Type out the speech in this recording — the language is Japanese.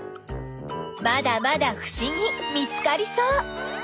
まだまだふしぎ見つかりそう！